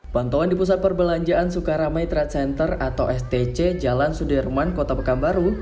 pantauan di pusat perbelanjaan sukaramai trade center atau stc jalan sudirman kota pekanbaru